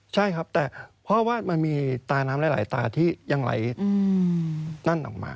ใช่ครับแต่เพราะว่ามันมีตาน้ำหลายตาที่ยังไหลนั่นออกมา